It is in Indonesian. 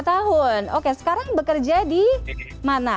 lima tahun oke sekarang bekerja di mana